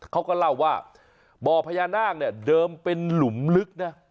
เขาก็เล่าว่าบ่อพญานาคเนี่ยเดิมเป็นหลุมลึกนะ